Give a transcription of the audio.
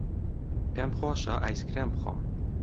پێم خۆشە ئایسکرێم بخۆم.